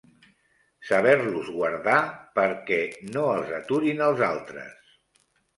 Saber-los guardar, perquè no els aturin els altres.